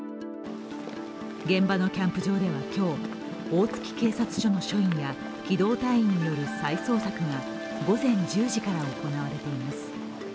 現場のキャンプ場では今日、大月警察署の署員や機動隊員による再捜索が午前１０時から行われています。